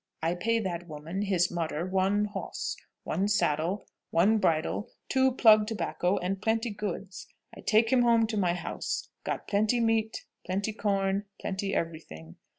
I pay that woman, his modder, one hoss one saddle one bridle two plug tobacco, and plenty goods. I take him home to my house got plenty meat plenty corn plenty every thing.